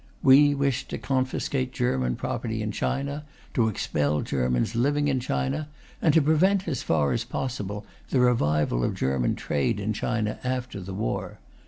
We wished to confiscate German property in China, to expel Germans living in China, and to prevent, as far as possible, the revival of German trade in China after the war.